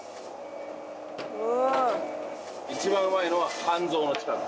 一番うまいのは肝臓の近く。